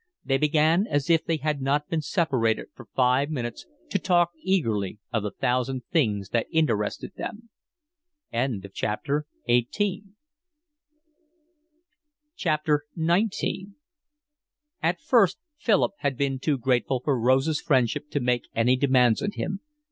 They began as if they had not been separated for five minutes to talk eagerly of the thousand things that interested them. XIX At first Philip had been too grateful for Rose's friendship to make any demands on him.